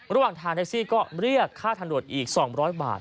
ระหว่างทางแท็กซี่ก็เรียกค่าทางด่วนอีก๒๐๐บาท